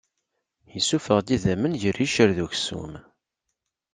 Issufeɣ-d idammen gar yiccer d uksum.